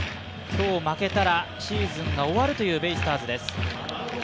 今日、負けたらシーズンが終わるというベイスターズです。